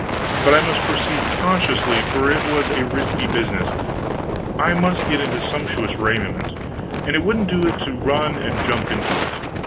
But I must proceed cautiously, for it was a risky business. I must get into sumptuous raiment, and it wouldn't do to run and jump into it.